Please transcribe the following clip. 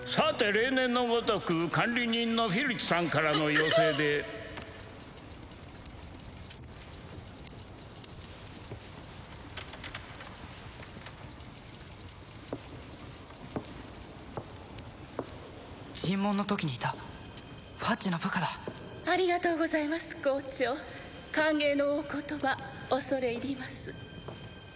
例年のごとく管理人のフィルチさんからの要請で尋問の時にいたファッジの部下だありがとうございます校長歓迎のお言葉恐れ入ります